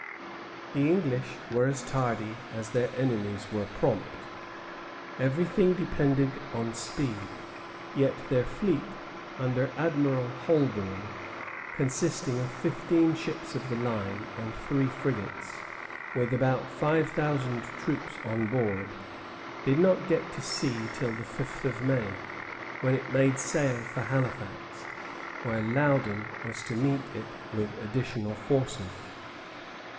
The English were as tardy as their enemies were prompt. Everything depended on speed; yet their fleet, under Admiral Holbourne, consisting of fifteen ships of the line and three frigates, with about five thousand troops on board, did not get to sea till the fifth of May, when it made sail for Halifax, where Loudon was to meet it with additional forces.